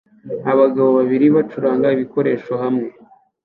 Abagabo babiri bacuranga ibikoresho hamwe